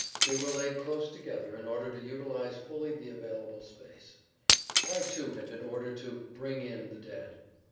They were laid close together in order to utilize fully the available space. I, too, had been ordered to "bring in" the dead.